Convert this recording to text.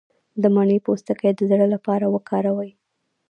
د مڼې پوستکی د زړه لپاره وکاروئ